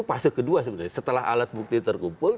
fase kedua sebenarnya setelah alat bukti terkumpul